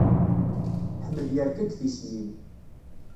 Ḥmed yerka deg tismin.